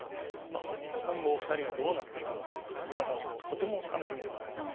まあ今後お二人がどうなっていくのかってこれはもうとても楽しみでございます。